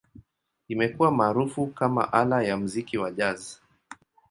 Imekuwa maarufu kama ala ya muziki wa Jazz.